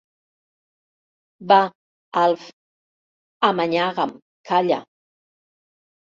Va, Alf, amanyaga'm, calla.